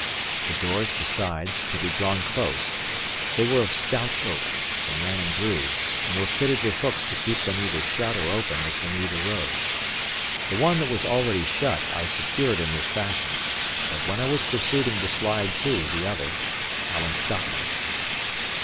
The doors, besides, could be drawn close: they were of stout oak, and ran in grooves, and were fitted with hooks to keep them either shut or open, as the need arose. The one that was already shut I secured in this fashion; but when I was proceeding to slide to the other, Alan stopped me.